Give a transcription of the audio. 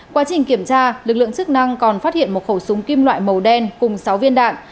quá trình kiểm tra lực lượng chức năng còn phát hiện một khẩu súng kim loại màu đen cùng sáu viên đạn